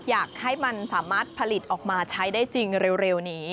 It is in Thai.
อยากให้มันสามารถผลิตออกมาใช้ได้จริงเร็วนี้